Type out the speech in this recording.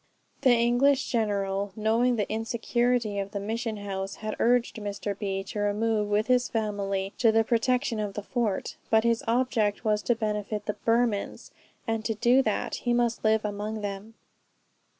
The English general, knowing the insecurity of the mission house, had urged Mr. B. to remove with his family to the protection of the fort; but his object was to benefit the Burmans, and to do that, he must live among them.